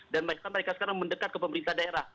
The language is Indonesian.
dan mereka sekarang mendekat ke pemerintah daerah